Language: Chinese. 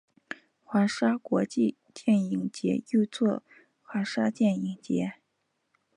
华沙国际电影节又作华沙电影节。